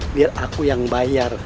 biar aku yang bayar